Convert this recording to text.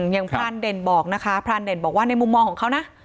พรานเด่นบอกนะคะพรานเด่นบอกว่าในมุมมองของเขานะ